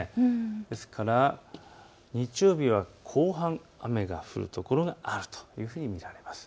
ですから日曜日は後半、雨が降る所があるというふうに見られます。